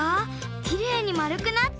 きれいにまるくなった。